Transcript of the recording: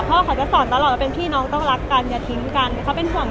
พ่อเขาจะสอนตลอดว่าเป็นพี่น้องต้องรักกันอย่าทิ้งกันเขาเป็นห่วง